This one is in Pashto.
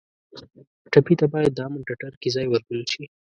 ټپي ته باید د امن ټټر کې ځای ورکړل شي.